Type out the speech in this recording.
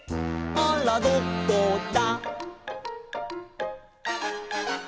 「あらどこだ」